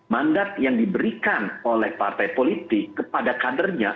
mandat yang diberikan oleh partai politik kepada kadernya